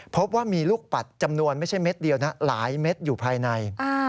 พบว่ามีลูกปัดจำนวนไม่ใช่เม็ดเดียวนะหลายเม็ดอยู่ภายใน